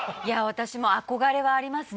私も憧れはありますね